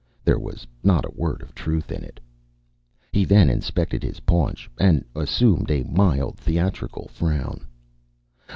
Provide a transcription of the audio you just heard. there was not a word of truth in it. He then inspected his paunch and assumed a mild theatrical frown.